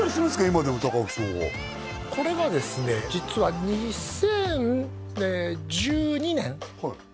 今でも貴明さんはこれがですね実は２０１２年？